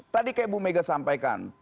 tadi kayak bu mega sampaikan